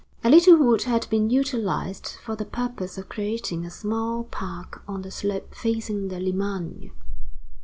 A little wood had been utilized for the purpose of creating a small park on the slope facing the Limagne.